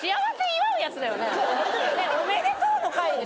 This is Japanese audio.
おめでとうの回でしょ？